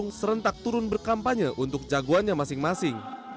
kpu serentak turun berkampanye untuk jagoannya masing masing